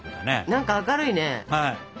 何か明るいね。